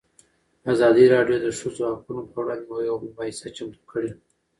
ازادي راډیو د د ښځو حقونه پر وړاندې یوه مباحثه چمتو کړې.